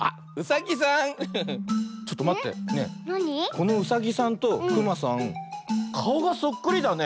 このうさぎさんとくまさんかおがそっくりだね。